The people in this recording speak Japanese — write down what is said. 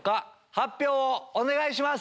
発表をお願いします！